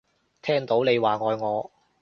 聽到你話你愛我